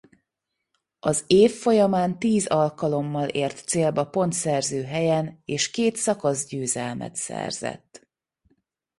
Az év folyamán tíz alkalommal ért célba pontszerző helyen és két szakaszgyőzelmet szerzett.